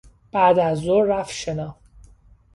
بعدازظهر رفت شنا